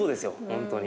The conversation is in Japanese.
本当に。